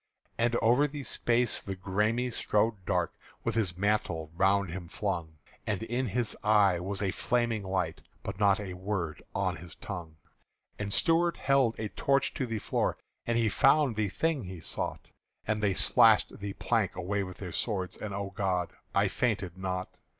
And over the space the Græme strode dark With his mantle round him flung; And in his eye was a flaming light But not a word on his tongue. And Stuart held a torch to the floor, And he found the thing he sought; And they slashed the plank away with their swords And O God! I fainted not!